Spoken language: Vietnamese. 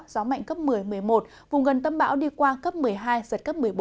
gió mạnh cấp một mươi một mươi một vùng gần tâm bão đi qua cấp một mươi hai giật cấp một mươi bốn